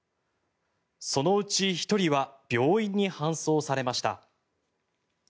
そのうち１人は病院に搬送されました。